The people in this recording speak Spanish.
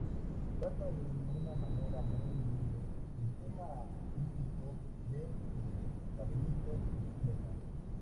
Trata de una manera muy libre el tema mítico de del Laberinto de Creta.